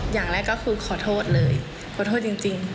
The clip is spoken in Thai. อย่างแรกก็คือขอโทษเลยขอโทษจริง